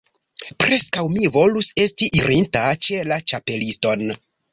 Preskaŭ mi volus esti irinta ĉe la Ĉapeliston.